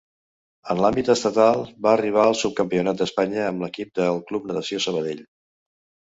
En l'àmbit estatal, va arribar al subcampionat d'Espanya amb l'equip del Club Natació Sabadell.